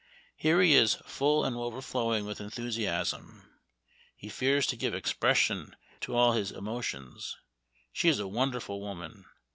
Here he is full and overflowing with enthusi asm. He fears to give expression to all his emotions. She is a wonderful woman.